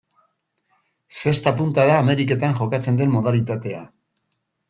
Zesta-punta da Ameriketan jokatzen den modalitatea.